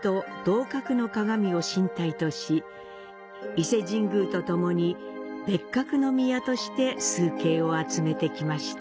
伊勢神宮とともに別格の宮として崇敬を集めてきました。